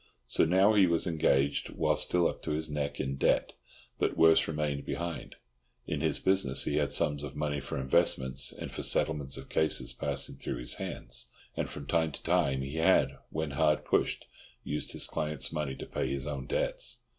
So now he was engaged while still up to his neck in debt; but worse remained behind. In his business he had sums of money for investments and for settlements of cases passing through his hands; and from time to time he had, when hard pushed, used his clients' money to pay his own debts.